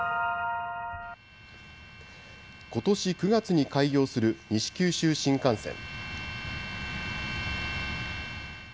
ことし９月に開業する西九州新幹線。